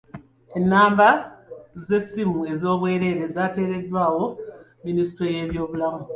Ennamba z'essimu ez'obwereere zaateereddwawo minisitule y'ebyobulamu.